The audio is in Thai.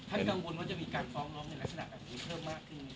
ท่านกังวลว่าจะมีการฟองร้องในลักษณะการผิดเพิ่มมากขึ้นไหมครับ